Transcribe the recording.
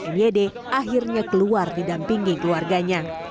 m y d akhirnya keluar didampingi keluarganya